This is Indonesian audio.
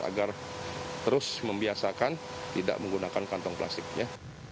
agar terus membiasakan tidak menggunakan kantong plastiknya